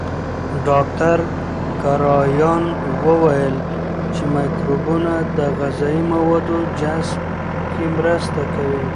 ډاکټر کرایان وویل چې مایکروبونه د غذایي موادو جذب کې مرسته کوي.